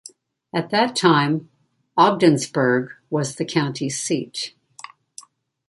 At that time Ogdensburg was the county seat.